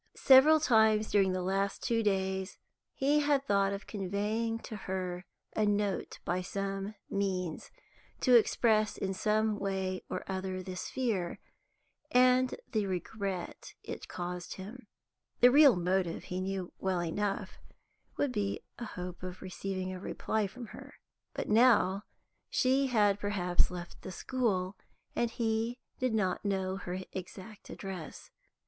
Several times during the last two days he had thought of conveying to her a note by some means, to express in some way or other this fear, and the regret it caused him; the real motive, he knew well enough, would be a hope of receiving a reply from her. But now she had perhaps left the school, and he did not know her exact address.